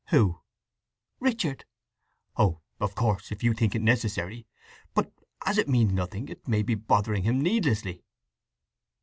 "Who?" "Richard." "Oh—of course, if you think it necessary. But as it means nothing it may be bothering him needlessly."